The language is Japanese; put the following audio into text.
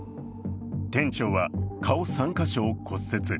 店長は顔３か所を骨折。